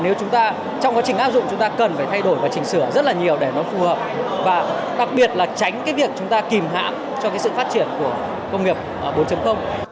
nếu chúng ta trong quá trình áp dụng chúng ta cần phải thay đổi và chỉnh sửa rất là nhiều để nó phù hợp và đặc biệt là tránh cái việc chúng ta kìm hãm cho cái sự phát triển của công nghiệp bốn